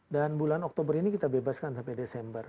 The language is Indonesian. dan bulan oktober ini kita bebaskan sampai desember